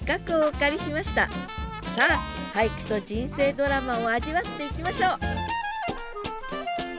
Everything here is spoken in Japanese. さあ俳句と人生ドラマを味わっていきましょう！